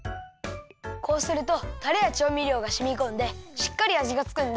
こうするとタレやちょうみりょうがしみこんでしっかりあじがつくんだ。